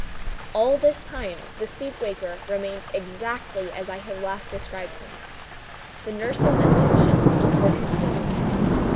All this time the sleeper waker remained exactly as I have last described him. The nurses' attentions were continual.